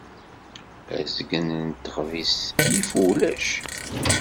Azgen n texbizt yif ulac.